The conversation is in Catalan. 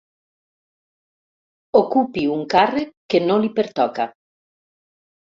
Ocupi un càrrec que no li pertoca.